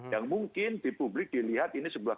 yang mungkin di publik dilihat ini sebuah